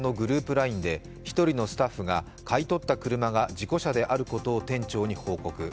ＬＩＮＥで１人のスタッフが、買い取った車が事故車であることを店長に報告。